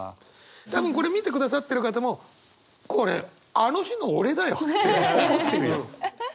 多分これ見てくださってる方も「これあの日の俺だよ」って思ってるよ。